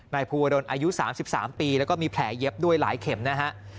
ภูวดลอายุ๓๓ปีแล้วก็มีแผลเย็บด้วยหลายเข็มนะฮะ